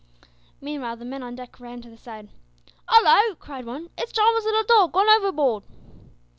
Meanwhile the men on deck ran to the side. "Hallo!" cried one, "it's Jarwin's little dog gone overboard."